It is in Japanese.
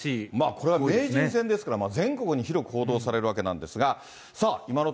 これは名人戦ですから、全国に広く報道されるわけなんですが。